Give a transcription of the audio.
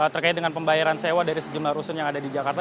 terkait dengan pembayaran sewa dari sejumlah rusun yang ada di jakarta